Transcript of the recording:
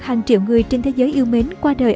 hàng triệu người trên thế giới yêu mến qua đời